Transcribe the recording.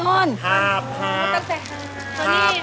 ตอนนี้อายุเท่าไหร่แล้ว